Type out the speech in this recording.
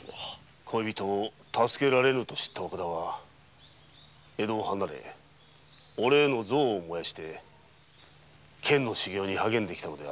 恋人を助けられぬと知った岡田は江戸を離れオレに憎悪を燃やし剣の修行に励んできたのだ。